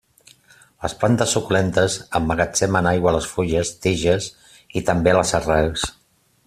Les plantes suculentes emmagatzemen aigua a les fulles, tiges, i també a les arrels.